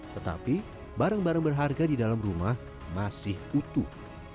tetapi barang barang berharga di dalam rumah masih utuh